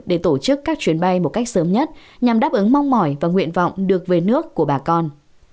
để tổ chức các chuyến bay một cách sớm nhất nhằm đáp ứng mong mỏi và nguyện vọng được về nước của bà con